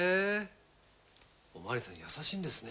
おまわりさん優しいんですね。